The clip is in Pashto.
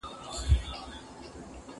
ملګرو سره ګپ شپ وکړئ.